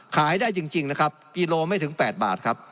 ขายได้จริงนะครับกิโลไม่ถึง๘บาทครับ